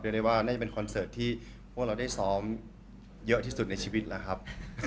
ได้ว่าน่าจะเป็นคอนเสิร์ตที่พวกเราได้ซ้อมเยอะที่สุดในชีวิตแล้วครับ